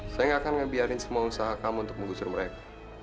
saya nggak akan ngebiarin semua usaha kamu untuk menggusur mereka